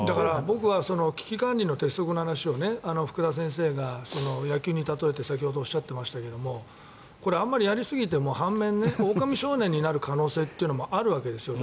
僕は危機管理の鉄則の話を福田先生が野球に例えて先ほどおっしゃっていましたけどあまりやりすぎても半面、おおかみ少年になる可能性もあるわけですよね。